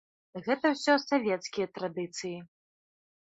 Гэта ўсё савецкія традыцыі.